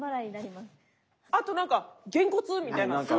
あと何かげんこつみたいな。